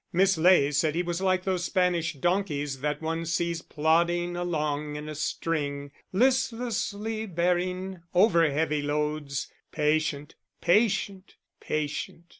Miss Ley said he was like those Spanish donkeys that one sees plodding along in a string, listlessly bearing over heavy loads patient, patient, patient.